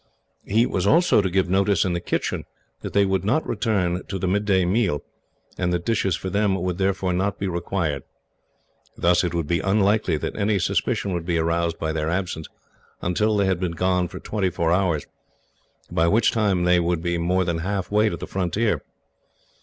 He was also to give notice, in the kitchen, that they would not return to the midday meal, and that dishes for them would therefore not be required. Thus it would be unlikely that any suspicion would be aroused by their absence until they had been gone twenty four hours, by which time they would be more than halfway to the frontier.